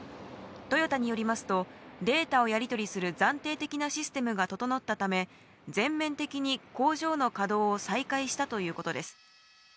トヨタによりますと、データをやりとりする暫定的なシステムが整ったため、全面的に工場の稼働を再開したということです。